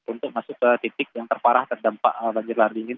untuk masuk ke titik yang terparah terdampak banjir lahar dingin